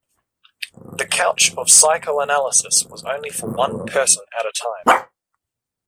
The couch of psychoanalysis was only for one person at a time.